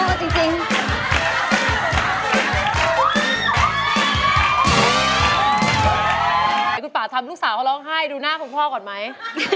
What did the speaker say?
ไปไม่ขอให้พ่อทำลูกสาวเขาร้องไห้ดูหน้าของพ่อก่อนไหม